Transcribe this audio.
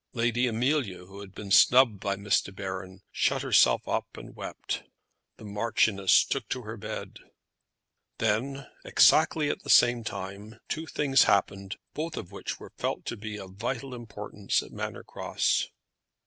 Lady Amelia, who had been snubbed by Miss De Baron, shut herself up and wept. The Marchioness took to her bed. Then, exactly at the same time, two things happened, both of which were felt to be of vital importance at Manor Cross.